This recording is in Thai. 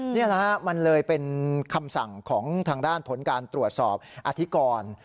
นี่แหละฮะมันเลยเป็นคำสั่งของทางด้านผลการตรวจสอบอธิกร